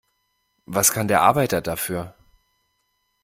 Was kann der Arbeiter dafür?